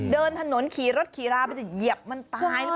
เดินถนนขี่รถขีราไปจะเหยียบมันตายก่อน